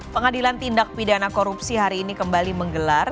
pengadilan tindak pidana korupsi hari ini kembali menggelar